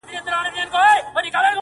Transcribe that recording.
د هر تورى لړم سو ؛ شپه خوره سوه خدايه؛